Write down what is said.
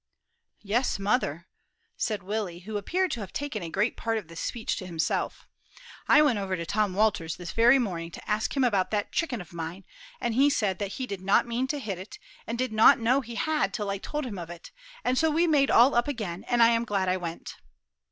"Yes, mother," said Willie, who appeared to have taken a great part of this speech to himself; "I went over to Tom Walter's this very morning to ask him about that chicken of mine, and he said that he did not mean to hit it, and did not know he had till I told him of it; and so we made all up again, and I am glad I went."